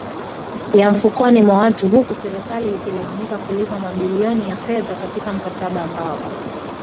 ya mfukoni mwa watu huku Serikali ikilazimika kulipa mabilioni ya fedha katika mkataba ambao